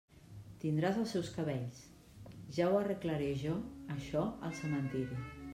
Tindràs els seus cabells; ja ho arreglaré jo, això, al cementiri.